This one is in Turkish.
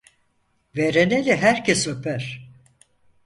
Veren eli herkes öper.